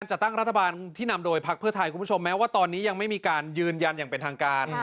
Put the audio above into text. จัดตั้งรัฐบาลที่นำโดยพักเพื่อไทยคุณผู้ชมแม้ว่าตอนนี้ยังไม่มีการยืนยันอย่างเป็นทางการ